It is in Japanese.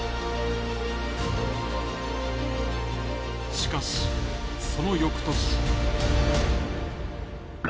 しかし、その翌年。